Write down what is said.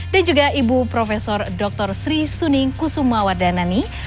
dan juga ibu profesor dr sri suning kusumawar danani